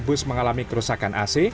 bus mengalami kerusakan ac